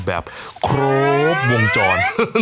แบบครบวงจร